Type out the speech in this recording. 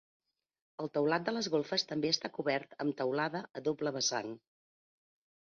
El teulat de les golfes també està cobert amb teulada a doble vessant.